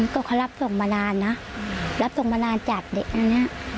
ก็เขารับส่งมานานนะรับส่งมานานจากเด็กอันนี้